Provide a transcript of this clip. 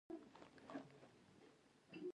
ګاونډي ته دعا کول نیکی ده